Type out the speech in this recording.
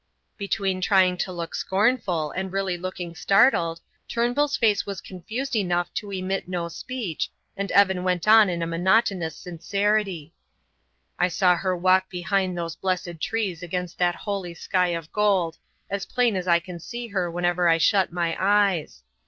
Between trying to look scornful and really looking startled, Turnbull's face was confused enough to emit no speech, and Evan went on in monotonous sincerity: "I saw her walk behind those blessed trees against that holy sky of gold as plain as I can see her whenever I shut my eyes.